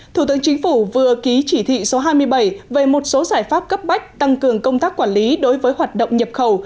thủ tướng chính phủ vừa ký chỉ thị số hai mươi bảy về một số giải pháp cấp bách tăng cường công tác quản lý đối với hoạt động nhập khẩu